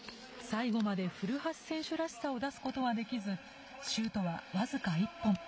最後まで古橋選手らしさを出すことはできず、シュートは僅か１本。